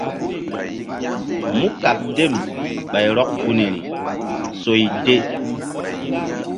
Mú kqɓ tem ɓay rɔk gunri soy te.